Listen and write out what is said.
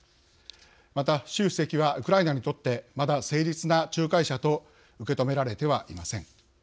また、習主席はウクライナにとってまだ、誠実な仲介者と受け止められてはいません。